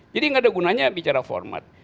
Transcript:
jadi tidak ada gunanya bicara format